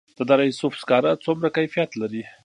د دره صوف سکاره څومره کیفیت لري؟